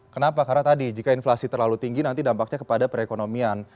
kenapa karena tadi jika inflasi terlalu tinggi nanti dampaknya kepada perekonomian